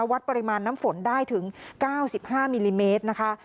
วัดปริมาณน้ำฝนได้ถึง๙๕มิลลิเมตรนะคะ